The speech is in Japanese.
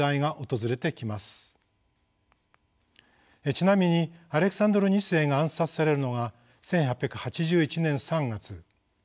ちなみにアレクサンドル二世が暗殺されるのが１８８１年３月。